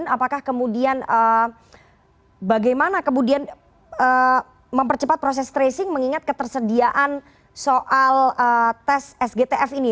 apakah kemudian bagaimana kemudian mempercepat proses tracing mengingat ketersediaan soal tes sgtf ini